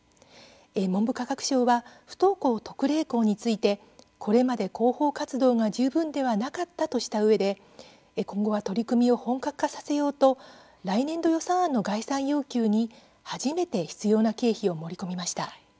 文部科学省は不登校特例校についてこれまで広報活動が十分ではなかった、としたうえで今後は取り組みを本格化させようと来年度予算案の概算要求に初めて必要な経費を盛り込みました。